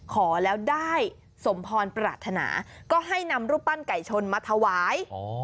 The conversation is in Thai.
ขอแล้วได้สมพรปรารถนาก็ให้นำรูปปั้นไก่ชนมาถวาย